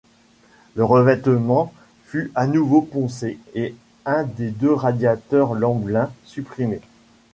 Le revêtement fut à nouveau poncé et un des deux radiateurs Lamblin supprimé.